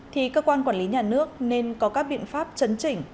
thì cơ quan quản lý nhà nước nên có các biện pháp chấn chỉnh